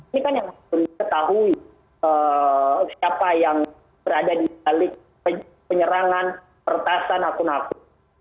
ini kan yang kita ketahui siapa yang berada di balik penyerangan pertasan aku naku